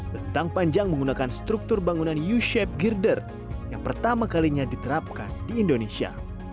bentang panjang menggunakan struktur bangunan u shape girder yang pertama kalinya diterapkan di indonesia